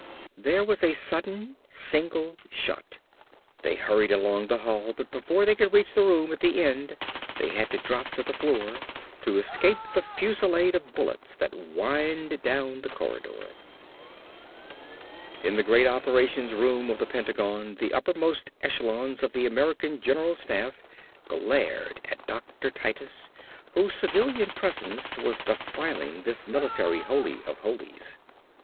There was a sudden, single shot. They hurried along the hall but before they could reach the room at the end they had to drop to the floor to escape the fusillade of bullets that whined down the corridor. In the great Operations Room of the Pentagon, the uppermost echelons of the American General Staff glared at Dr. Titus whose civilian presence was defiling this military "holy of holies."